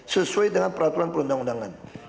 sesuai dengan peraturan perundang undangan